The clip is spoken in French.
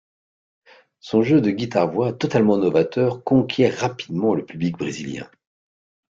Son jeu de guitare-voix totalement novateur conquiert rapidement le public brésilien.